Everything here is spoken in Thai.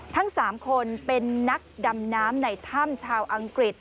ทั้ง๓คนเป็นนักดำน้ำในถ้ำชาวอังกฤษ